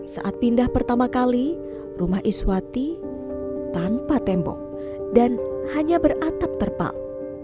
saat pindah pertama kali rumah iswati tanpa tembok dan hanya beratap terpal